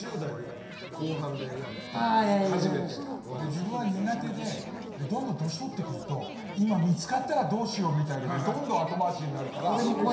自分は苦手でどんどん年取ってくると今見つかったらどうしようというのがどんどん後回しになるから。